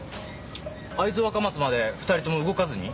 会津若松まで２人とも動かずに？